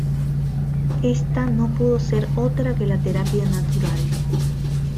Ésta no pudo ser otra que la terapia natural.